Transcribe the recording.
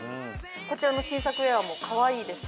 こちらの新作ウェアもかわいいですよね。